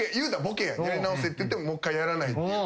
やり直せっていってもう一回やらないっていう。